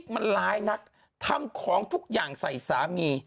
มันร้ายนักทำของทุกอย่างใส่สามี